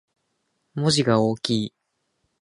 文字が大きい